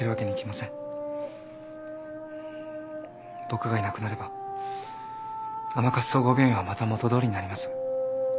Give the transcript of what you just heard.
僕がいなくなれば甘春総合病院はまた元どおりになります。